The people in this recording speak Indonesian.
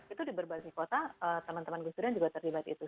itu di berbagai kota teman teman gus durian juga terlibat itu